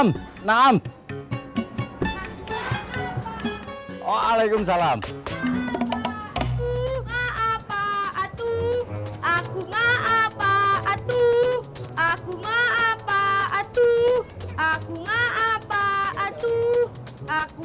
tidak tidak mengerti